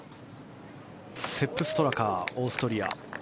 セップ・ストラカオーストリア。